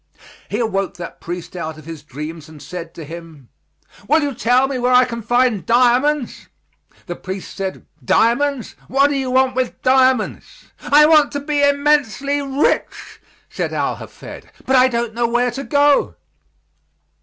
He awoke that priest out of his dreams and said to him, "Will you tell me where I can find diamonds?" The priest said, "Diamonds? What do you want with diamonds?" "I want to be immensely rich," said Al Hafed, "but I don't know where to go."